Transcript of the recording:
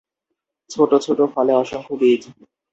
ছোট ছোট ফলে অসংখ্য বীজ।